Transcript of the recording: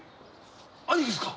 兄貴っすか？